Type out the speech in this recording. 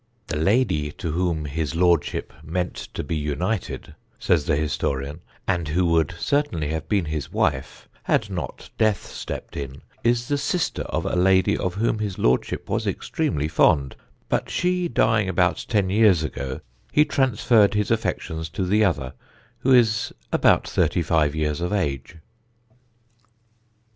"The lady to whom his lordship meant to be united," says the historian, "and who would certainly have been his wife had not death stepped in, is the sister of a lady of whom his lordship was extremely fond, but she, dying about ten years ago, he transferred his affections to the other, who is about thirty five years of age."